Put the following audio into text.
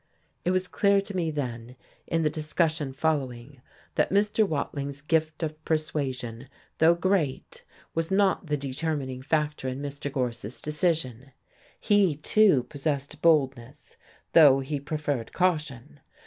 It was clear to me then, in the discussion following, that Mr. Watling's gift of persuasion, though great, was not the determining factor in Mr. Gorse's decision. He, too, possessed boldness, though he preferred caution.